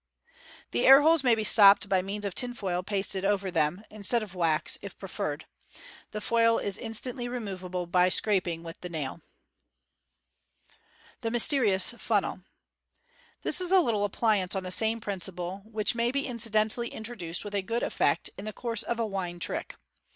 The air holes may be stopped by means of tinfoil pasted over them, instead of the wax, if pi ef erred. The foil is instantly removeable by scraping with the nail. The Mysterious Funnel. — This is a little appliance on the same principle, which may be incidentally introduced with good effect in the course of a wine trick.